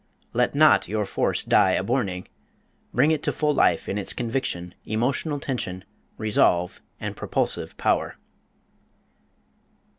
Let not your force "die a borning," bring it to full life in its conviction, emotional tension, resolve, and propulsive power.